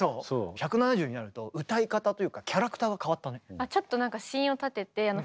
１７０になると歌い方というかキャラクターが変わったね。